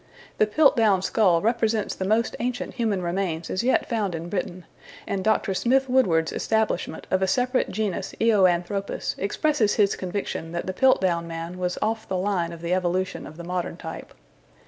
The Piltdown skull represents the most ancient human remains as yet found in Britain, and Dr. Smith Woodward's establishment of a separate genus Eoanthropus expresses his conviction that the Piltdown man was off the line of the evolution of the modern type.